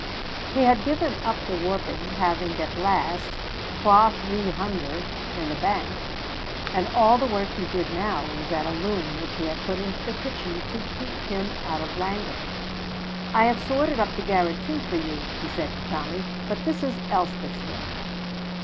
He had given up the warping, having at last "twa three hunder'" in the bank, and all the work he did now was at a loom which he had put into the kitchen to keep him out of languor. "I have sorted up the garret, too, for you," he said to Tommy, "but this is Elspeth's room."